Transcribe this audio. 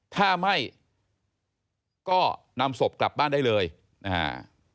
ถ้าไม่ก็นำศพกลับบ้านได้เลยนะฮะ